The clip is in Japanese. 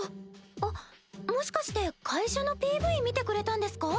あっもしかして会社のＰＶ見てくれたんですか？